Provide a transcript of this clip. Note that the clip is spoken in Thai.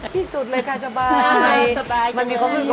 ที่สุดเลยค่ะสบาย